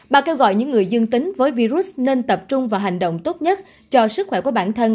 bà kêu gọi những người dương tính với virus nên tập trung vào hành động tốt nhất cho sức khỏe của bản thân